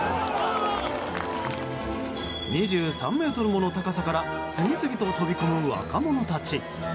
２３ｍもの高さから次々と飛び込む若者たち。